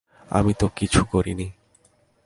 আমি তো কিছু করিনি।